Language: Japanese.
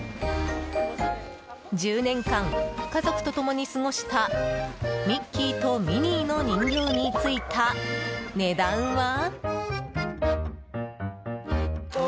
１０年間、家族と共に過ごしたミッキーとミニーの人形についた値段は？